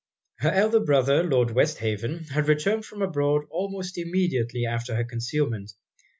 Her elder brother, Lord Westhaven, had returned from abroad almost immediately after her concealment.